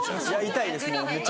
痛いです。